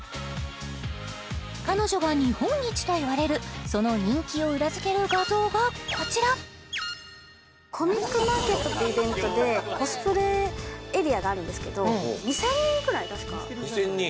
彼女が日本一といわれるその人気を裏付ける画像がこちらコミックマーケットというイベントでコスプレエリアがあるんですけど２０００人くらい確か２０００人？